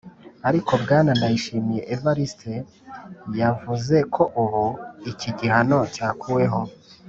ariko bwana ndayishimiye evariste yavuze ko ubu iki gihano cyakuweho